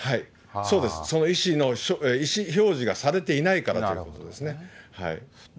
そうです、その意思表示がされていないからということですね。